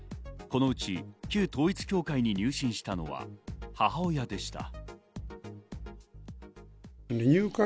このうち旧統一教会に入信したのは、母親でした。